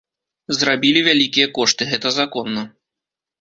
Зрабілі вялікія кошты, гэта законна.